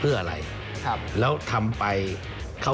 ก็คือคุณอันนบสิงต์โตทองนะครับ